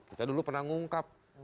kita dulu pernah ngungkap